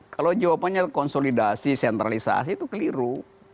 kalau jawabannya konsolidasi sentralisasi itu keliru